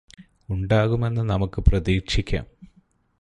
ഉണ്ടാകുമെന്ന് നമുക്ക് പ്രതീക്ഷിക്കാം